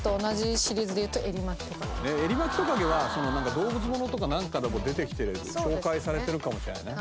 エリマキトカゲはそのなんか動物ものとかなんかでも出てきて紹介されてるかもしれないね。